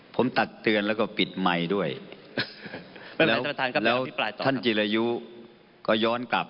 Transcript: ผมตักเตือนแล้วก็ปิดไมค์ด้วยแล้วท่านจิรายุก็ย้อนกลับ